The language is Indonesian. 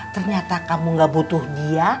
ternyata kamu gak butuh dia